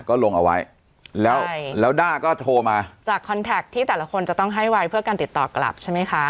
ก็ลงเอาไว้แล้วแล้วด้าก็โทรมาจากคอนแท็กที่แต่ละคนจะต้องให้ไว้เพื่อการติดต่อกลับใช่ไหมคะ